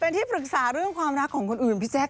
เป็นที่ปรึกษาเรื่องความรักของคนอื่นพี่แจ๊ค